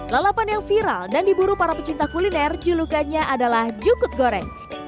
lalapan yang viral dan diburu para pecinta kuliner julukannya adalah jukut goreng